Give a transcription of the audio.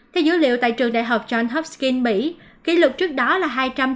theo dữ liệu tại trường đại học john hopkinskin mỹ kỷ lục trước đó là hai trăm chín mươi bốn một mươi bốn